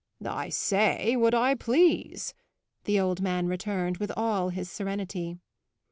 "I say what I please," the old man returned with all his serenity.